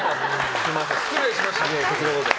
失礼しました。